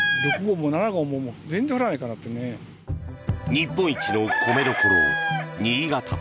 日本一の米どころ、新潟。